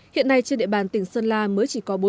hiện nay trên địa bàn tỉnh sơn la mới chỉ có bốn cơ sở